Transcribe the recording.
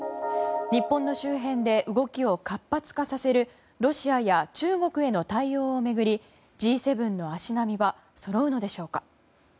日本の周辺で動きを活発化させるロシアや中国への対応を巡りＧ７の足並みはそろうのでしょうか。